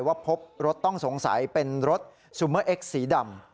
ว่าพบรถต้องสงสัยเป็นรถซูเมอร์เอ็กซสีดำ